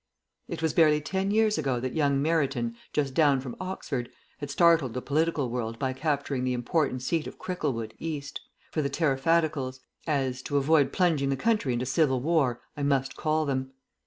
It was barely ten years ago that young Meryton, just down from Oxford, had startled the political world by capturing the important seat of Cricklewood (E.) for the Tariffadicals as, to avoid plunging the country into Civil War, I must call them.